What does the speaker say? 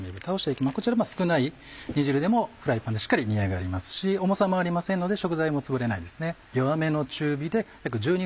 こちら少ない煮汁でもフライパンでしっかり煮上がりますし重さもありませんので食材もつぶれないですね。